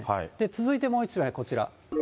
続いてもう一枚、こちら。